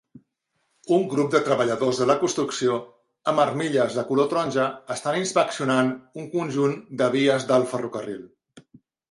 Un grup de treballadors de la construcció amb armilles de color taronja estan inspeccionant un conjunt de vies del ferrocarril.